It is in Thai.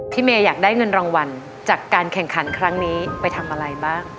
เมย์อยากได้เงินรางวัลจากการแข่งขันครั้งนี้ไปทำอะไรบ้าง